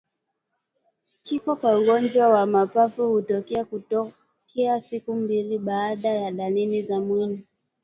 Kifo kwa ugonjwa wa mapafu hutokea tokea siku mbili baada ya dalili za awali